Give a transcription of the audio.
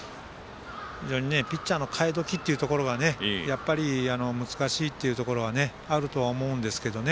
ピッチャーの代え時というところが難しいというところがあるとは思うんですけどね